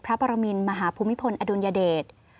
ปรมินมหาภูมิพลอดุลยเดช